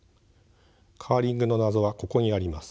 カーリングの謎はここにあります。